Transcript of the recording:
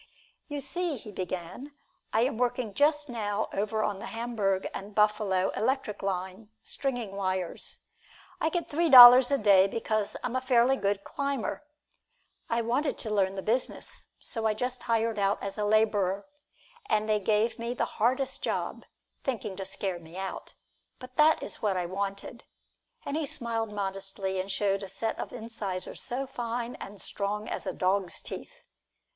"You see," he began, "I am working just now over on the Hamburg and Buffalo Electric Line, stringing wires. I get three dollars a day because I'm a fairly good climber. I wanted to learn the business, so I just hired out as a laborer, and they gave me the hardest job, thinking to scare me out, but that was what I wanted," and he smiled modestly and showed a set of incisors as fine and strong as a dog's teeth.